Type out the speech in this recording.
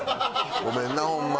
ごめんなホンマ。